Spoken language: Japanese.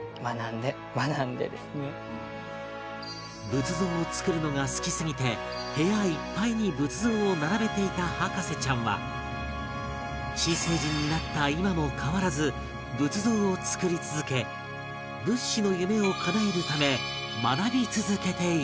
仏像を作るのが好きすぎて部屋いっぱいに仏像を並べていた博士ちゃんは新成人になった今も変わらず仏像を作り続け仏師の夢を叶えるため学び続けていた